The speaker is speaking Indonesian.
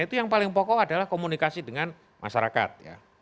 itu yang paling pokok adalah komunikasi dengan masyarakat ya